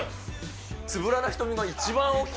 つぶらな瞳が一番大きく。